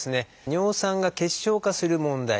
尿酸が結晶化する問題。